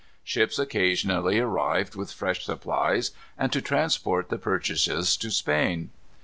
Ships occasionally arrived with fresh supplies, and to transport the purchases to Spain.